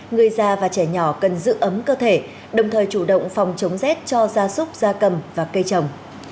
người già và trẻ nhỏ cần giữ ấm cơ thể đồng thời chủ động phòng chống rét cho gia súc gia cầm và cây trồng